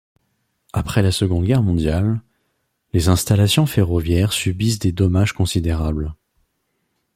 Après la Seconde Guerre mondiale, les installations ferroviaires subissent des dommages considérables.